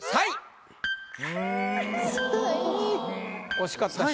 惜しかった人。